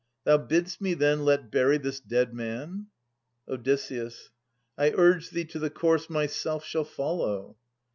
Thou bidst me then let bury this dead man? Od. I urge thee to the course myself shall follow.